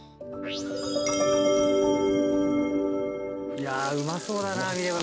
いやうまそうだな見れば見るほど。